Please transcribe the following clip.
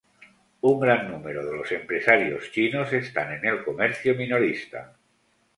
Un gran número de los empresarios chinos están en el comercio minorista.